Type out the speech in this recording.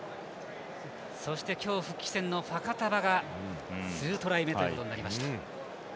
そして今日、復帰戦のファカタヴァが２トライ目となりました。